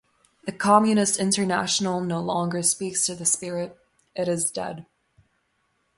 The Communist International no longer speaks to the spirit; it is dead.